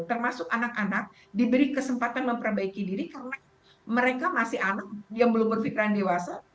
termasuk anak anak diberi kesempatan memperbaiki diri karena mereka masih anak yang belum berpikiran dewasa